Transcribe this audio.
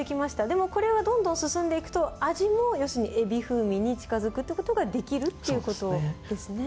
でもこれはどんどん進んでいくと味も要するにエビ風味に近づくって事ができるっていう事ですね。